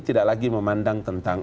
tidak lagi memandang tentang